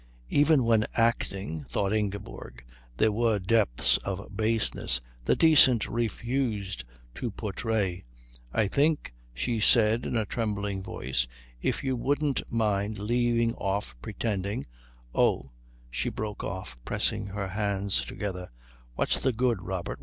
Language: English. Even when acting, thought Ingeborg, there were depths of baseness the decent refused to portray. "I think," she said in a trembling voice, "if you wouldn't mind leaving off pretending oh," she broke off, pressing her hands together, "what's the good, Robert?